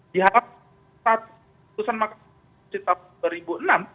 diharap saat pusat mahkamah konstitusi tahun dua ribu enam